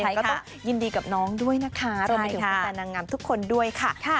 ก็ต้องยินดีกับน้องด้วยนะคะรวมไปถึงแฟนนางงามทุกคนด้วยค่ะ